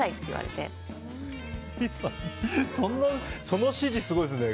その指示、すごいですね。